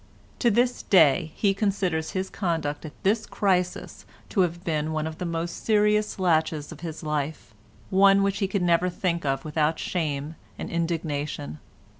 To this day he considers his conduct at this crisis to have been one of the most serious laches of his life—one which he can never think of without shame and indignation.